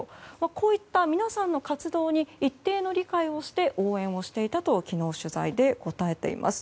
こういった皆さんの活動に一定の理解をして応援をしていたと昨日、取材で答えています。